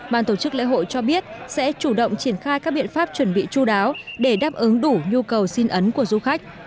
ban tổ chức lễ hội cho biết sẽ chủ động triển khai các biện pháp chuẩn bị chú đáo để đáp ứng đủ nhu cầu xin ấn của du khách